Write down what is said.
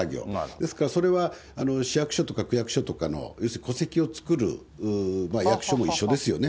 ですからそれは市役所とか区役所とかの、戸籍を作る役所も一緒ですよね。